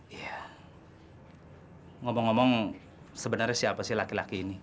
iya ngomong ngomong sebenarnya siapa sih laki laki ini